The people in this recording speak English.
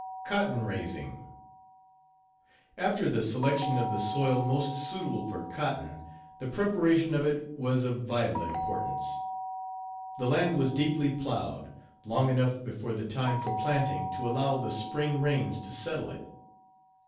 COTTON RAISING. After the selection of the soil most suitable for cotton, the preparation of it was of vital importance. Page 27 The land was deeply plowed, long enough before the time for planting to allow the spring rains to settle it.